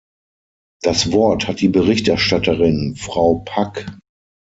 Das Wort hat die Berichterstatterin, Frau Pack.